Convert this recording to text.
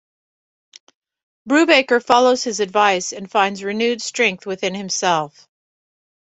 Brubaker follows his advice and finds renewed strength within himself.